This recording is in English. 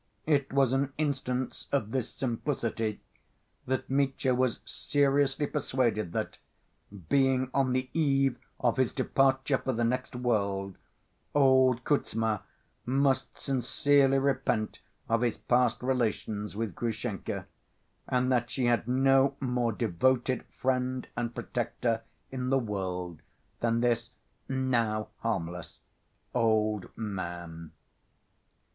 It was an instance of this simplicity that Mitya was seriously persuaded that, being on the eve of his departure for the next world, old Kuzma must sincerely repent of his past relations with Grushenka, and that she had no more devoted friend and protector in the world than this, now harmless old man.